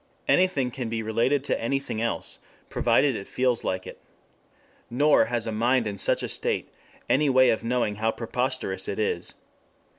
Anything can be related to anything else, provided it feels like it. Nor has a mind in such a state any way of knowing how preposterous it is.